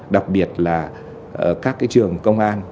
đặc biệt là các trường công an